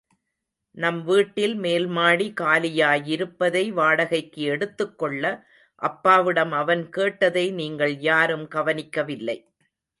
நம் வீட்டில் மேல்மாடி காலியாயிருப்பதை வாடகைக்கு எடுத்துக் கொள்ள அப்பாவிடம் அவன் கேட்டதை நீங்கள் யாரும் கவனிக்கவில்லை.